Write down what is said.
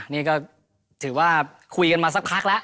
นี่ก็ถือว่าคุยกันมาสักพักแล้ว